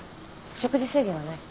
食事制限はない。